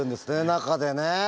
中でね。